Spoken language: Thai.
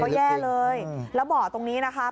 แล้วเบาะตรงนี้นะคะ